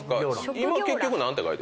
今結局何て書いてんの？